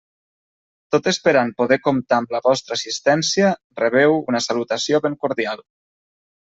Tot esperant poder comptar amb la vostra assistència, rebeu una salutació ben cordial.